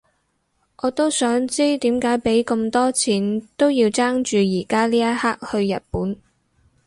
我都想知點解畀咁多錢都要爭住而家呢一刻去日本